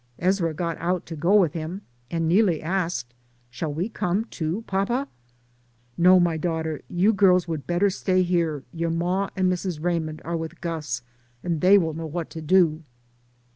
Ezra got out to go with him and Neelie asked, ''Shall we come, too, papa?" "No, my daughter, you girls would better DAYS ON THE ROAD. 45 Stay here, your ma and Mrs. Raymond are with Gus, and they will know what to do."